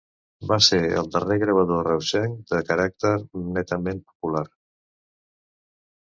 Va ser el darrer gravador reusenc de caràcter netament popular.